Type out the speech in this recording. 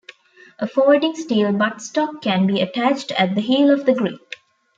A folding steel buttstock can be attached at the heel of the grip.